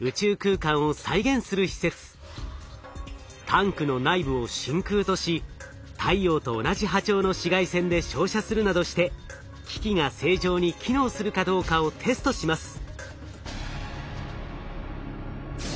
タンクの内部を真空とし太陽と同じ波長の紫外線で照射するなどして機器が正常に機能するかどうかをテストします。